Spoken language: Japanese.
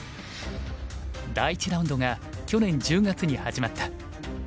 第１ラウンドが去年１０月に始まった。